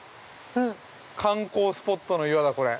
観光スポットの岩だ、これ。